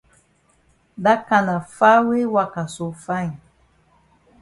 Dat kana far way waka so fine.